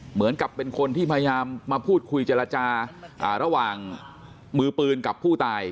เหมือนกับเป็นคนที่พยายามมาพูดคุยเจรจาระหว่างมือปืนกับผู้ตาย